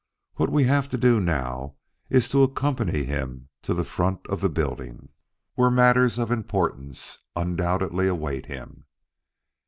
What we have to do now is to accompany him to the front of the building, where matters of importance undoubtedly await him.